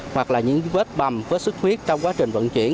hoặc là những vết bầm vết sức huyết trong quá trình vận chuyển